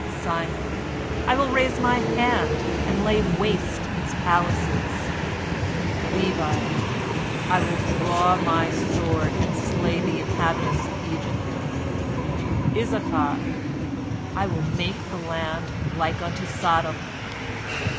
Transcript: Simon: "I will raise my hand, and lay waste its palaces." Levi: "I will draw my sword, and slay the inhabitants of Egypt." Issachar: "I will make the land like unto Sodom."